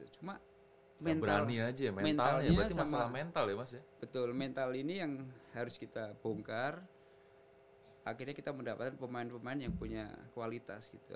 cuma mentalnya sama mental ini yang harus kita bongkar akhirnya kita mendapatkan pemain pemain yang punya kualitas